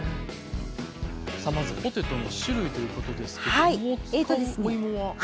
さあまずポテトの種類ということですけども使うお芋は？